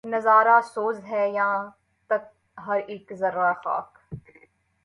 نظارہ سوز ہے یاں تک ہر ایک ذرّۂ خاک